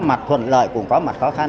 có ra mạch thuận lợi cũng có mạch khó khăn